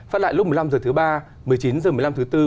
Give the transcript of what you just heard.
phát lại lúc một mươi năm h thứ ba một mươi chín h một mươi năm h thứ bốn